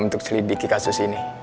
untuk selidiki kasus ini